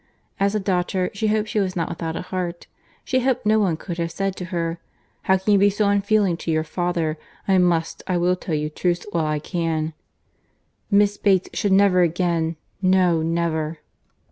As a daughter, she hoped she was not without a heart. She hoped no one could have said to her, "How could you be so unfeeling to your father?—I must, I will tell you truths while I can." Miss Bates should never again—no, never!